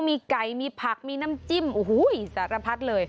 มีไก่มีผักมีน้ำจิ้มโอ้โหสารพัดเลย